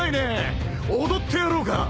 踊ってやろうか！